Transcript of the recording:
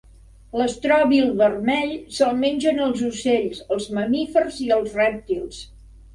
L'estròbil vermell se'l mengen els ocells, els mamífers i els rèptils.